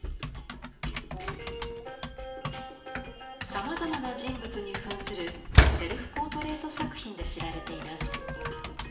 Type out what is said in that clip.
さまざまな人物に扮するセルフポートレイト作品で知られています。